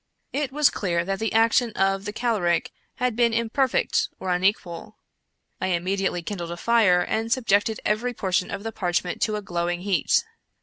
It was clear that the action of the caloric had been imperfect or unequal. I immediately kindled a fire, and subjected every portion of the parchment to a glowing heat.